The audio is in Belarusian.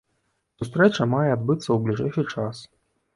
Сустрэча мае адбыцца ў бліжэйшы час.